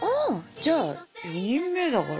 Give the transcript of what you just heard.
じゃあ４人目だから。